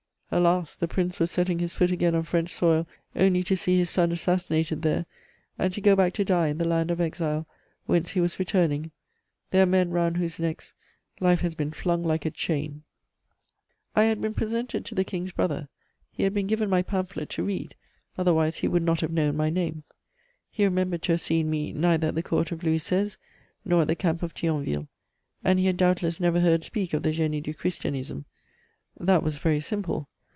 Alas, the Prince was setting his foot again on French soil only to see his son assassinated there and to go back to die in the land of exile whence he was returning: there are men round whose necks life has been flung like a chain! [Illustration: Charles X. (as Comte D'Artois.)] I had been presented to the King's brother; he had been given my pamphlet to read, otherwise he would not have known my name: he remembered to have seen me neither at the Court of Louis XVI. nor at the Camp of Thionville, and he had doubtless never heard speak of the Génie du Christianisme. That was very simple.